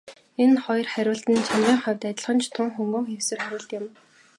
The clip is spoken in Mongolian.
Энэ хоёр хариулт нь чанарын хувьд адилхан ч тун хөнгөн хийсвэр хариулт юм.